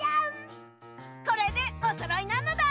これでおそろいなのだ！